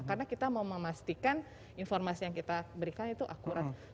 karena kita mau memastikan informasi yang kita berikan itu akurat